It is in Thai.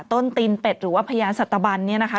ตีนเป็ดหรือว่าพยานสัตบันเนี่ยนะคะ